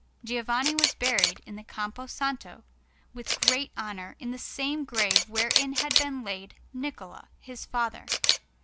Giovanni was buried in the Campo Santo, with great honour, in the same grave wherein had been laid Niccola, his father.